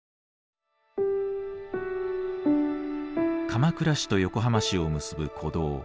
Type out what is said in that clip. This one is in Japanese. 鎌倉市と横浜市を結ぶ古道